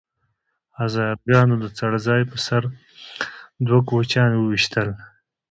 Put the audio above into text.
هزاره ګانو د څړ ځای په سر دوه کوچیان وويشتل